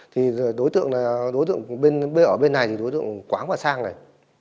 thì đối tượng ở bên này thì đối tượng quảng và sang này